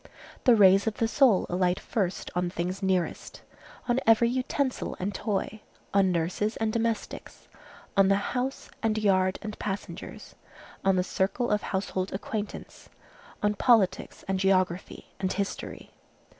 The rays of the soul alight first on things nearest, on every utensil and toy, on nurses and domestics, on the house and yard and passengers, on the circle of household acquaintance, on politics and geography and history.